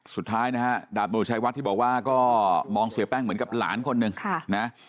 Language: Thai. สุดท้ายนะฮะดาบตำรวจชายวัดที่บอกว่าก็มองเสียแป้งเหมือนกับหลานคนหนึ่งนะ